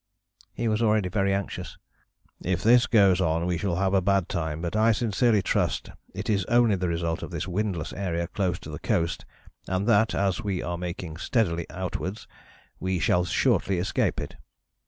He was already very anxious. "If this goes on we shall have a bad time, but I sincerely trust it is only the result of this windless area close to the coast and that, as we are making steadily outwards, we shall shortly escape it.